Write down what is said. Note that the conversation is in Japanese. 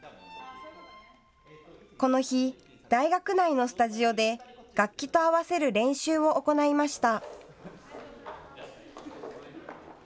この日、大学内のスタジオで楽器と合わせる練習を行いました。